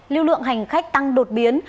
lưu lượng hành khách tăng đột biến